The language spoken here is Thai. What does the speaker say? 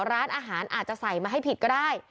ร้านอาหารอาจจะใส่มาให้ผิดก็ได้